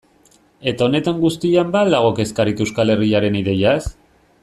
Eta honetan guztian ba al dago kezkarik Euskal Herriaren ideiaz?